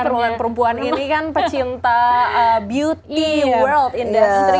apalagi perempuan perempuan ini kan pecinta beauty world industry